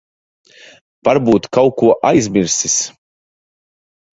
Varbūt kaut ko aizmirsis.